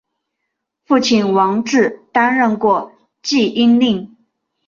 父亲王志担任过济阴令。